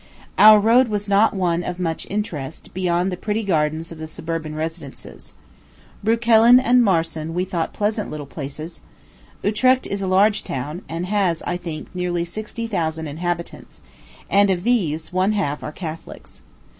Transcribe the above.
Our road was not one of much interest, beyond the pretty gardens of the suburban residences. Breukelen and Maarsen we thought pleasant little places. Utrecht is a large town, and has, I think, nearly sixty thousand inhabitants; and of these, one half are Catholics.